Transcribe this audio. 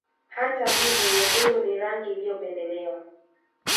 Hata hivyo nyekundu ni rangi iliyopendelewa